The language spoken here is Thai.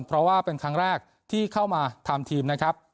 เพราะว่าเป็นครั้งแรกที่เข้ามาทำทีมนะครับ